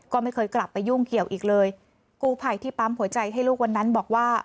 ก็ไม่เคยกลับไปยุ่งเกี่ยวอีกเลยกู้ภัยที่ปั๊มหัวใจให้ลูกวันนั้นบอกว่า